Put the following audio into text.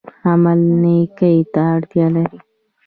عمل نیکۍ ته اړتیا لري